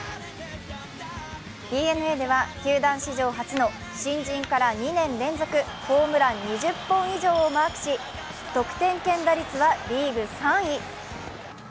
ＤｅＮＡでは球団史上初の新人から２年連続、ホームラン２０本以上をマークし、得点圏打率はリーグ３位。